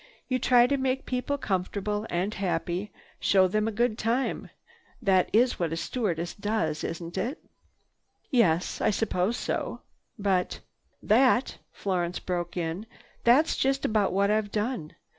You try to make people comfortable and happy—show them a good time. That's what a stewardess does, isn't it?" "Yes, I suppose so. But—" "That," Florence broke in, "that's just about what I've done.